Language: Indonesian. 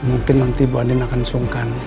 mungkin nanti bu adin akan sungkan